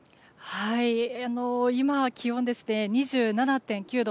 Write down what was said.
今、気温は２７．９度。